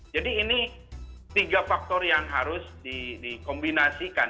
jadi ini tiga faktor yang harus dikombinasikan